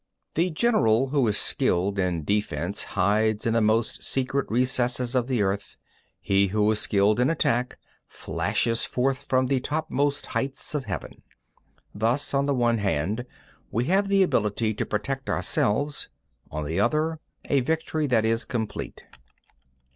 7. The general who is skilled in defence hides in the most secret recesses of the earth; he who is skilled in attack flashes forth from the topmost heights of heaven. Thus on the one hand we have ability to protect ourselves; on the other, a victory that is complete.